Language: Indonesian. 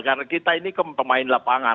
karena kita ini pemain lapangan